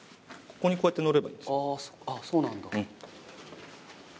ここにこうやって乗ればいいですあそうなんだ